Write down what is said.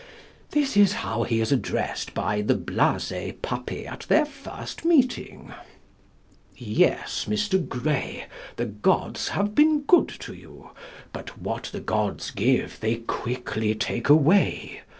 This is how he is addressed by the Blasé Puppy at their first meeting: "Yes, Mr. Gray, the gods have been good to you. But what the gods give they quickly take away....